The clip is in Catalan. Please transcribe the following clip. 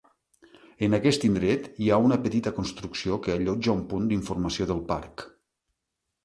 En aquest indret hi ha una petita construcció que allotja un punt d'informació del Parc.